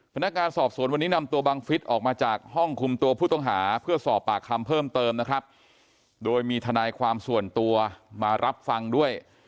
พนักงานสอบสวนวันนี้นำตัวบังฟิศออกมาจากห้องคุมตัวผู้ต้องหาเพื่อสอบปากคำเพิ่มเติมนะครับโดยมีทนายความส่วนตัวมารับฟังด้วย